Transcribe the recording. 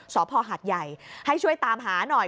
สพหัดใหญ่ให้ช่วยตามหาหน่อย